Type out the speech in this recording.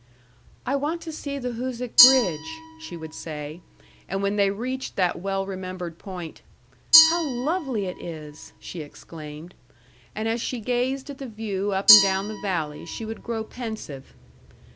"I want to see the Hoosic Bridge," she would say. And when they reached that well remembered point, "How lovely it is!" she exclaimed. And as she gazed at the view up and down the valley, she would grow pensive.